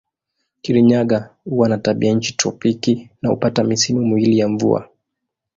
Kirinyaga huwa na tabianchi tropiki na hupata misimu miwili ya mvua.